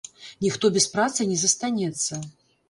Ніхто без працы не застанецца.